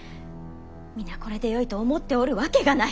皆これでよいと思っておるわけがない！